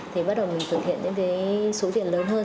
thì bắt đầu mình thực hiện đến với số tiền lớn hơn